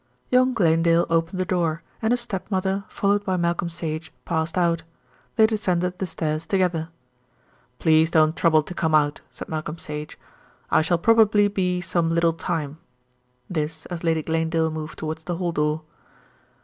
Young Glanedale opened the door and his stepmother, followed by Malcolm Sage, passed out. They descended the stairs together. "Please don't trouble to come out," said Malcolm Sage. "I shall probably be some little time," this as Lady Glanedale moved towards the hall door.